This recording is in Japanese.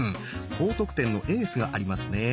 高得点のエースがありますね。